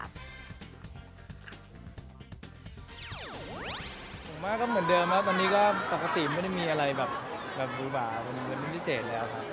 ผมว่าก็เหมือนเดิมครับวันนี้ก็ปกติไม่ได้มีอะไรแบบบูบาเป็นพิเศษแล้วครับ